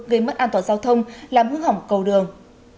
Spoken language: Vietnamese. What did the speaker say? gây mất an toàn giao thông làm hư hỏng cầu đường